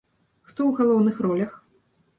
Хто ў галоўных ролях?